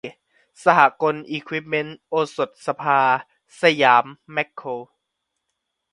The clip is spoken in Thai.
สหกลอิควิปเมนท์ โอสถสภา สยามแม็คโคร